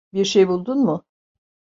Bir şey buldun mu?